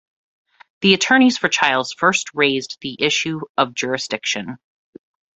The attorneys for Chiles first raised the issue of jurisdiction.